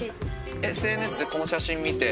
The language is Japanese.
ＳＮＳでこの写真見て。